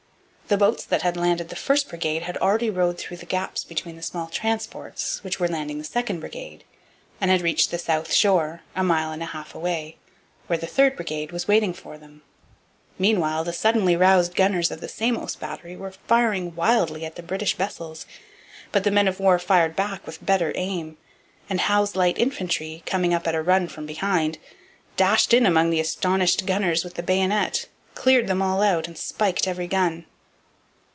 The boats that had landed the first brigade had already rowed through the gaps between the small transports which were landing the second brigade, and had reached the south shore, a mile and a half away, where the third brigade was waiting for them. Meanwhile the suddenly roused gunners of the Samos battery were firing wildly at the British vessels. But the men of war fired back with better aim, and Howe's light infantry, coming up at a run from behind, dashed in among the astonished gunners with the bayonet, cleared them all out, and spiked every gun.